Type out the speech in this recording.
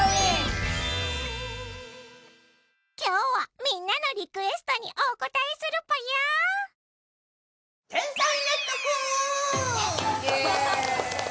今日はみんなのリクエストにお応えするぽよ。